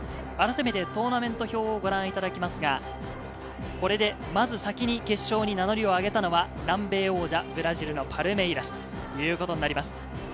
改めてトーナメント表をご覧いただきますが、これでまず先に決勝に名乗りをあげたのは南米王者ブラジルのパルメイラスということになります。